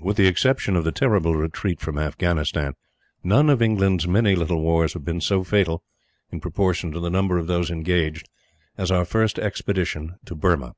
With the exception of the terrible retreat from Afghanistan, none of England's many little wars have been so fatal in proportion to the number of those engaged as our first expedition to Burma.